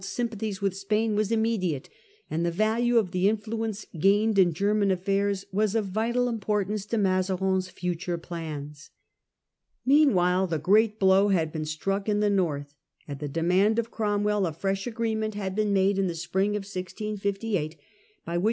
Battle of the Dunes * 77 sympathies with Spain was immediate, and the value of the influence gained in German affairs was of vital importance to Mazarin's future plans. Meanwhile the great blow had been struck in the north. At the demand of Cromwell a fresh agreement Siege of had been made in the spring of 1658 by which Dunkirk.